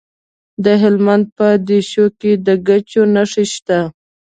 د هلمند په دیشو کې د ګچ نښې شته.